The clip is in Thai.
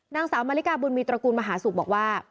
นางสาวมาริกาบุญมีตระกูลมหาศุกร์บอกว่า